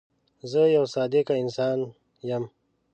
زه یو صادقه انسان یم.